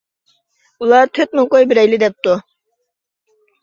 ئۇلار تۆت مىڭ كوي بېرەيلى دەپتۇ.